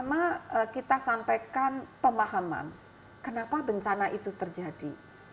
saya sampaikan pemahaman kenapa bencana itu terjadi